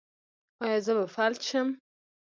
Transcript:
ایا زه به فلج شم؟